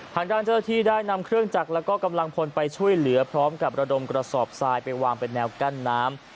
ทางด้านเจ้าที่ได้นำเครื่องจักรแล้วก็กำลังพลไปช่วยเหลือพร้อมกับระดมกระสอบทรายไปวางเป็นแนวกั้นน้ำ